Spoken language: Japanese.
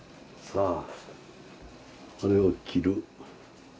さあこれを切る。